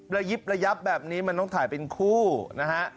ระยิบระยับแบบนี้มันต้องถ่ายเป็นคู่นะฮะ